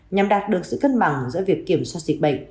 nhằm đạt được sự cân bằng giữa việc kiểm soát dịch bệnh